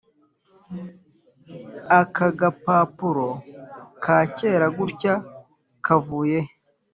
akagapapuro kakera gutya kavuye he?